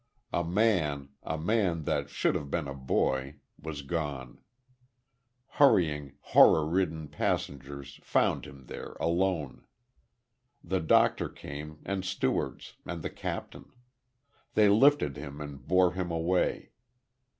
A man a man that should have been a boy was gone.... Hurrying, horror ridden passengers found him there, alone. The doctor came, and stewards, and the captain. They lifted him, and bore him away.